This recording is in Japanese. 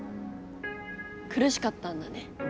くるしかったんだね。